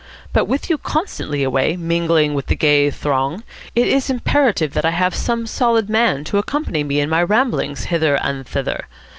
But with you constantly away, mingling with the gay throng, it is imperative that I have some solid man to accompany me in my ramblings hither and thither.